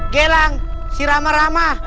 gelang si ramah ramah